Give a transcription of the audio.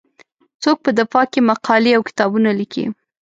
څوک په دفاع کې مقالې او کتابونه لیکي.